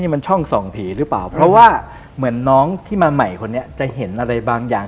มันช่องส่องผีหรือเปล่าเพราะว่าเหมือนน้องที่มาใหม่คนนี้จะเห็นอะไรบางอย่าง